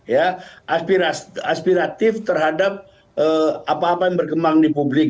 ya aspiratif terhadap apa apa yang berkembang di publik